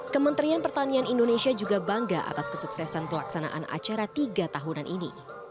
kementerian pertanian indonesia juga bangga atas kesuksesan pelaksanaan acara tiga tahunan ini